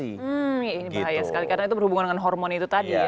hmm ini bahaya sekali karena itu berhubungan dengan hormon itu tadi ya